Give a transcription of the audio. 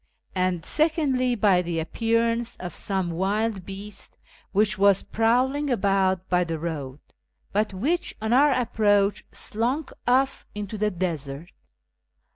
iiiid secondly by the appearance of some wild l)east which was prowling about by the road, but wliieh, on our a])proach, slunk off into the desert.